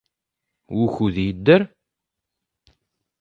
Wukud yedder?